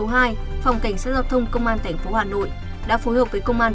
phòng cảnh sát giao thông công an tp hà nội đã phối hợp với công an